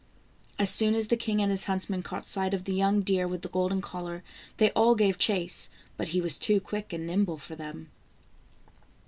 As soon as the king and his huntsmen caught sight of the young deer with the golden collar, they all gave chase, but he was too quick and nimble for them.